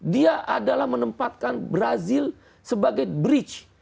dia adalah menempatkan brazil sebagai bridge